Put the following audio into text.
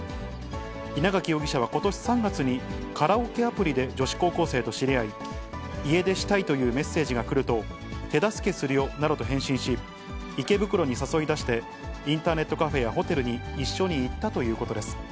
稲垣容疑者はことし３月に、カラオケアプリで女子高校生と知り合い、家出したいというメッセージがくると、手助けするよなどと返信し、池袋に誘い出して、インターネットカフェやホテルに一緒に行ったということです。